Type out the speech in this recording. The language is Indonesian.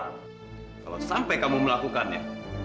kalau sampai kamu melakukannya